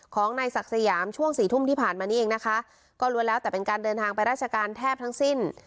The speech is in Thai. ของนายศักดิ์สยามช่วงสี่ทุ่มที่ผ่านมานี่เองนะคะก็ล้วนแล้วแต่เป็นการเดินทางไปราชการแทบทั้งสิ้น